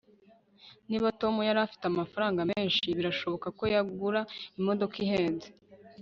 niba tom yari afite amafaranga menshi, birashoboka ko yagura imodoka ihenze